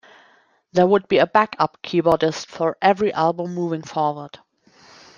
There would be a backup keyboardist for every album moving forward.